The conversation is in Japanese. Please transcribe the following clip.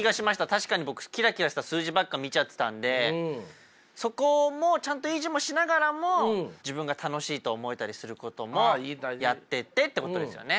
確かに僕キラキラした数字ばっか見ちゃってたんでそこもちゃんと維持もしながらも自分が楽しいと思えたりすることもやってってってことですよね？